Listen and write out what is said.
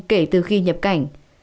kể từ khi nhập cảnh